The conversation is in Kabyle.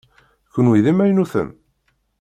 Kenwi d imaynuten?